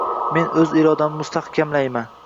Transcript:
Men o‘z irodamni mustahkamlayman